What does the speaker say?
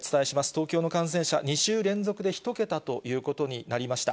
東京の感染者、２週連続で１桁ということになりました。